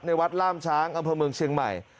วัดล่ามช้างอำเภอเมืองเชียงใหม่